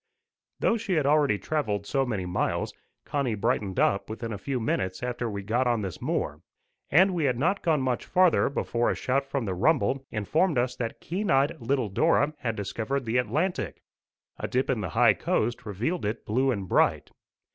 Though she had already travelled so many miles, Connie brightened up within a few minutes after we got on this moor; and we had not gone much farther before a shout from the rumble informed us that keen eyed little Dora had discovered the Atlantic: a dip in the high coast revealed it blue and bright.